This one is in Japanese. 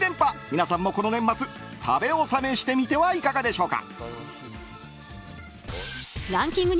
皆さんもこの年末食べ納めしてはいかがでしょうか。